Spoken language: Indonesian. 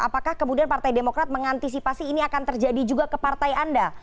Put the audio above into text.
apakah kemudian partai demokrat mengantisipasi ini akan terjadi juga ke partai anda